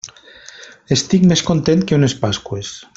Estic més content que unes pasqües!